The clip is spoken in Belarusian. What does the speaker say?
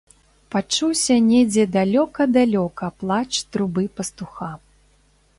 Пачуўся недзе далёка-далёка плач трубы пастуха.